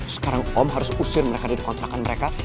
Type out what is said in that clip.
sekarang om harus usir mereka dari kontrakan mereka